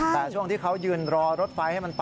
แต่ช่วงที่เขายืนรอรถไฟให้มันไป